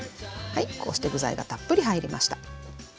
はいこうして具材がたっぷり入りました。